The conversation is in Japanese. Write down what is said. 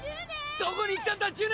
どこに行ったんだジュネ！